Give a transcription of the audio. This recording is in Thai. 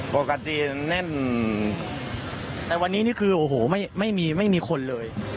แน่นแต่วันนี้นี่คือโอ้โหไม่มีไม่มีคนเลย